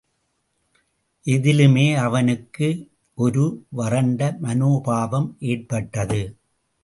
எதிலுமே அவனுக்கு ஒரு வறண்ட மனோபாவம் ஏற்பட்டது.